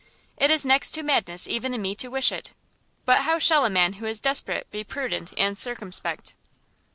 it is next to madness even in me to wish it, but how shall a man who is desperate be prudent and circumspect?"